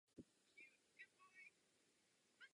Později hrála v řadě dalších filmů.